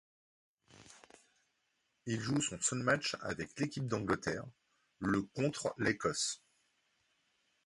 Il joue son seul match avec l'équipe d'Angleterre le contre l'Écosse.